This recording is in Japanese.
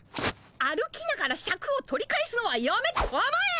歩きながらシャクを取り返すのはやめたまえ！